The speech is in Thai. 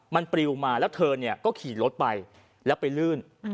มันปลิวมาแล้วเธอเนี่ยก็ขี่รถไปแล้วไปลื่น